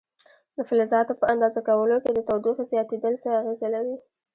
د فلزاتو په اندازه کولو کې د تودوخې زیاتېدل څه اغېزه لري؟